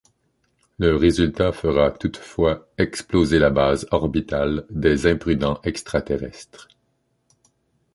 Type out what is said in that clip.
Le résultat fera toutefois exploser la base orbitale des imprudents extraterrestres.